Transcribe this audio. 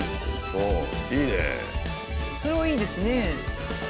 それはいいですね。